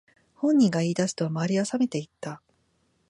本人が言い出すと周りはさめていった